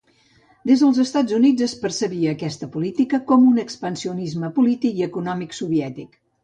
Des dels Estats Units es percebia aquesta política com un expansionisme polític i econòmic soviètic.